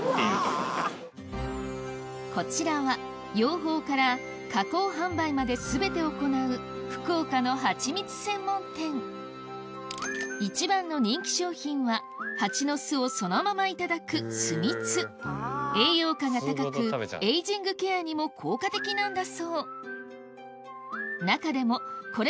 こちらは養蜂から加工販売まで全て行う福岡のハチミツ専門店一番の人気商品は蜂の巣をそのままいただく栄養価が高くエイジングケアにも効果的なんだ